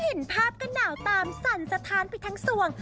เห็นภาพกันเหนาตามสั่นสถานไปทั้งวง